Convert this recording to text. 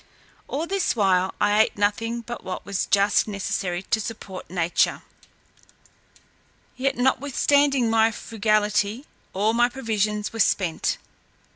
All this while I ate nothing but what was just necessary to support nature; yet, notwithstanding my frugality, all my provisions were spent.